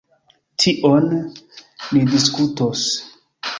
Tion ni diskutos.